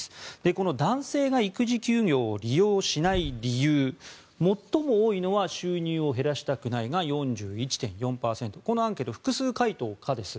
この、男性が育児休業を利用しない理由最も多いのは収入を減らしたくないが４１．４％このアンケート複数回答可です。